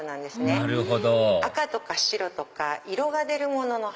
なるほど赤とか白とか色が出るものの花